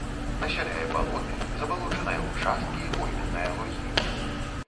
Насяляе балоты, забалочаныя ўчасткі і пойменныя лугі.